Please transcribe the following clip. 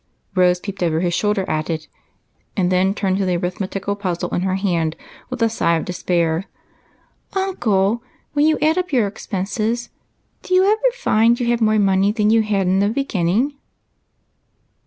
Rose peeped over his shoulder at it, and then turned to the arithmetical puzzle in her hand with a sigh of despair. "Uncle, when you add up your expenses do you ever find you have got more money than you had in the beginning